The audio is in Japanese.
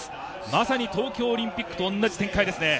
まさに東京オリンピックと同じ展開ですね。